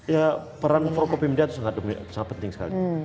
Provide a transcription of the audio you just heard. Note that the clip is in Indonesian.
ya peran forkopim dia itu sangat penting sekali